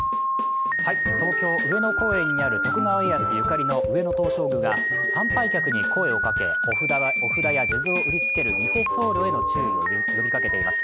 東京・上野公園にある徳川家康ゆかりの上野東照宮が参拝客に声をかけ、お札や数珠を売りつける偽僧侶への注意を呼びかけています。